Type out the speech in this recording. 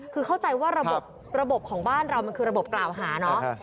คือเข้าใจว่าระบบของบ้านเรามันคือระบบกล่าวหาเนาะ